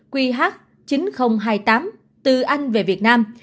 qh chín nghìn hai mươi tám từ anh về việt nam